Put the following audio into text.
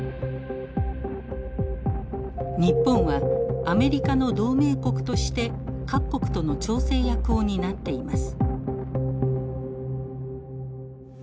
日本はアメリカの同盟国として各国との調整役を担っています。